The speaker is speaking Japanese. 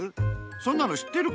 そんなのしってるから。